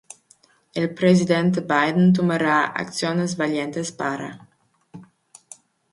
El presidente Biden tomará acciones valientes para: